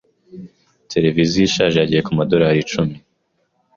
Televiziyo ishaje yagiye kumadorari icumi.